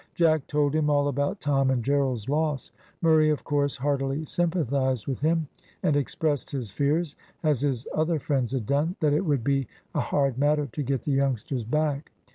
Jack told him all about Tom and Gerald's loss. Murray of course heartily sympathised with him, and expressed his fears, as his other friends had done, that it would be a hard matter to get the youngsters back.